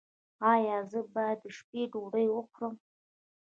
ایا زه باید د شپې ډوډۍ وخورم؟